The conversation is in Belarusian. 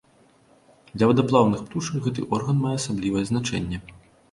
Для вадаплаўных птушак гэты орган мае асаблівае значэнне.